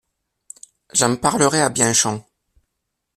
J'en parlerai à Bianchon.